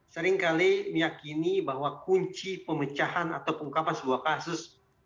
seringkali meyakini bahwa kunci pemecahan atau pengungkapan sebuah kasus